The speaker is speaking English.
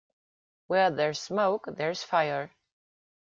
Where there's smoke there's fire.